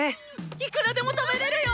いくらでも食べれるよ。